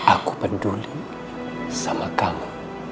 aku peduli sama kamu